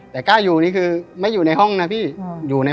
แต่กล้าอยู่นี่คือไม่อยู่ในห้องนะพี่